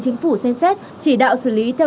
chính phủ xem xét chỉ đạo xử lý theo